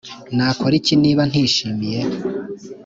Nakora iki niba ntishimiye